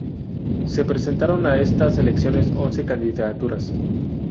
Se presentaron a estas elecciones once candidaturas.